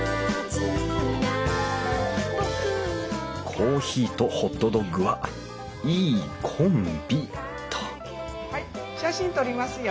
コーヒーとホットドッグはいいコンビっとはい写真撮りますよ。